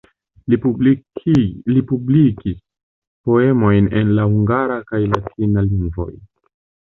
Li publikis poemojn en hungara kaj latina lingvoj.